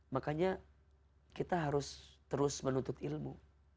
makanya kita harus terus menuntut ilmu